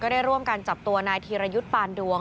ได้ร่วมกันจับตัวนายธีรยุทธ์ปานดวง